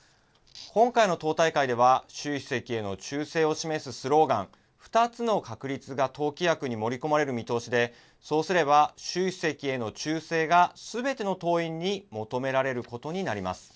今回の党大会では、習主席への忠誠を示すスローガン、２つの確立が党規約に盛り込まれる見通しで、そうすれば、習主席への忠誠がすべての党員に求められることになります。